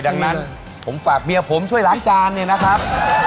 ดังนั้นผมฝากเมียผมช่วยล้างจานเนี่ยนะครับ